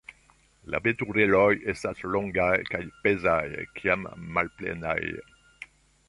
La veturiloj estas longaj, kaj pezaj kiam malplenaj.